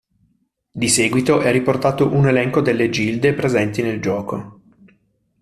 Di seguito è riportato un elenco delle gilde presenti nel gioco.